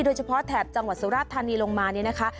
โดยเฉพาะแถบจังหวัดสุราษฎร์ธานีลงมานี่นะคะ